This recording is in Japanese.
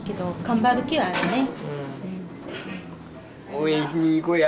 応援しに行こうや。